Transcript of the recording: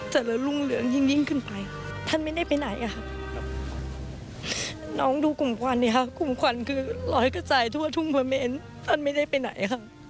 ทุกคนจะอาจจะกลายมาย